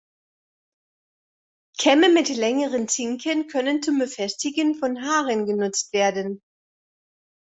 Kämme mit längeren Zinken können zum Befestigen von Haaren genutzt werden.